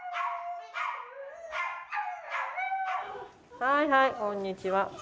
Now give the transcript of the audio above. はいはいこんにちは。